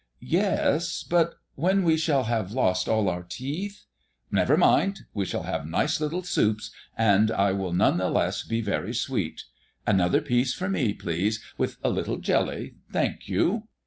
"Yes; but when we shall have lost all our teeth " "Never mind; we shall have nice little soups, and it will none the less be very sweet. Another piece for me, please, with a little jelly, thank you."